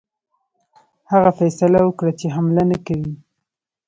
هغه فیصله وکړه چې حمله نه کوي.